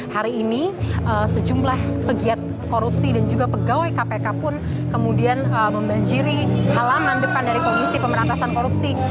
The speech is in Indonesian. hari ini sejumlah pegiat korupsi dan juga pegawai kpk pun kemudian membanjiri halaman depan dari komisi pemberantasan korupsi